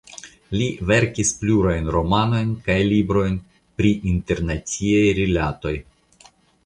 Li verkis plurajn romanojn kaj librojn pri internaciaj rilatoj.